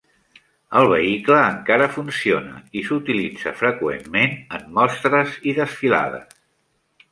El vehicle encara funciona i s'utilitza freqüentment en mostres i desfilades.